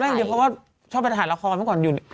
จำได้อย่างนี้เพราะว่าชอบไปถ่ายละครแม่งก่อนอยู่นี่